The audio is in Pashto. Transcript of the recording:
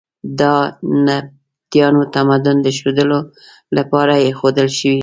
دا د نبطیانو تمدن د ښودلو لپاره ایښودل شوي.